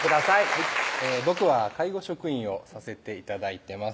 はい僕は介護職員をさせて頂いてます